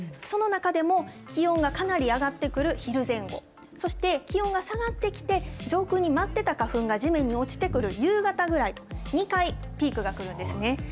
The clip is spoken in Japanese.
その中でも、気温がかなり上がってくる昼前後、そして、気温が下がってきて、上空に舞ってた花粉が地面に落ちてくる夕方ぐらい、２回ピークが来るんですね。